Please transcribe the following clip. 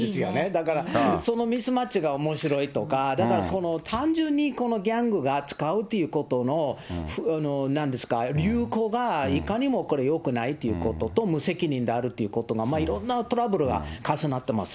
だからそのミスマッチがおもしろいとか、だからこの単純に、ギャングが使うということの、なんですか、流行がいかにもこれよくないということと、無責任であるということが、いろんなトラブルが重なってます。